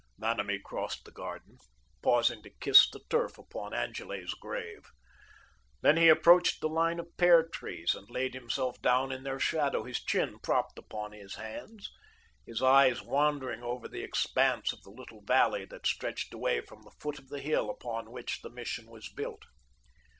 Vanamee crossed the garden, pausing to kiss the turf upon Angele's grave. Then he approached the line of pear trees, and laid himself down in their shadow, his chin propped upon his hands, his eyes wandering over the expanse of the little valley that stretched away from the foot of the hill upon which the Mission was built.